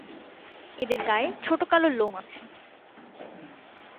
এদের গায়ে ছোট কালো লোম আছে।